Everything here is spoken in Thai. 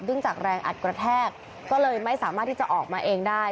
จากแรงอัดกระแทกก็เลยไม่สามารถที่จะออกมาเองได้